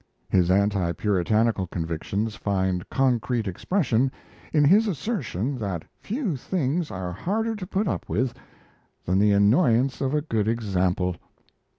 His anti Puritanical convictions find concrete expression in his assertion that few things are harder to put up with than the annoyance of a good example.